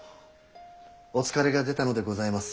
お疲れが出たのでございます。